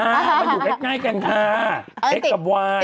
มันอยู่ใกล้กันค่ะ